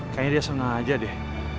kayaknya dia sengaja deh